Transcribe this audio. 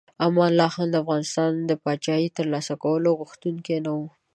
امان الله خان د افغانستان د پاچاهۍ د ترلاسه کولو غوښتونکی نه و.